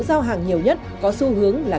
giao hàng nhiều nhất có xu hướng là